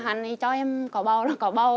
hắn cho em có bầu là có bầu